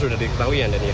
sudah diketahui ya